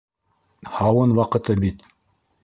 Һауын ваҡыты бит!